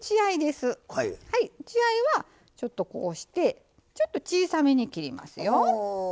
血合いは、ちょっと押してちょっと小さめに切りますよ。